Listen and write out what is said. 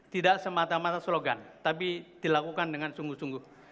tidak semata mata slogan tapi dilakukan dengan sungguh sungguh